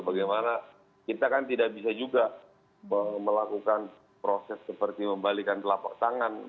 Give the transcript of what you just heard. bagaimana kita kan tidak bisa juga melakukan proses seperti membalikan telapak tangan